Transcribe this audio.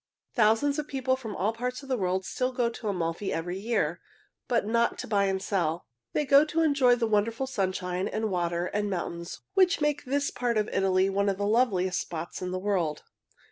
Thousands of people from all parts of the world still go to Amalfi every year, but not to buy and sell. They go to enjoy the wonderful sunshine and water and mountains which make this part of Italy one of the loveliest spots in the world.